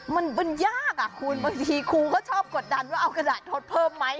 มันยากอ่ะคุณบางทีครูก็ชอบกดดันว่าเอากระดาษทดเพิ่มไหม